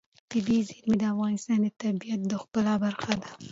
طبیعي زیرمې د افغانستان د طبیعت د ښکلا برخه ده.